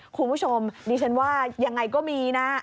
คุณผู้ชมดิฉันว่ายังไงก็มีนะ